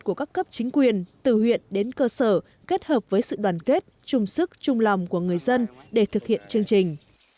của các cấp chính quyền từ huyện đến cơ sở kết hợp với sự đoàn kết chung sức chung lòng của người dân để thực hiện chương trình